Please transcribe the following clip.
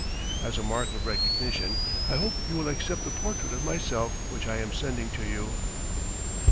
As a mark of recognition, I hope you will accept the portrait of myself which I am sending to you.